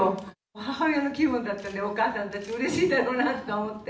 母親の気分だったので、お母さんたち、うれしいだろうなと思って。